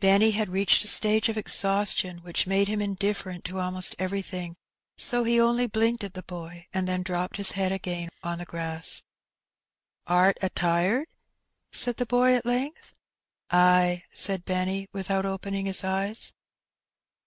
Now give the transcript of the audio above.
Benny had reached a stage of exhaustion which made him indiflFerent to almost everything, so he only blinked at the boy, and then dropped his head again on the grass. ^^Art a tired ?'* said the boy at length. "Ay," said Benny, without opening his eyes.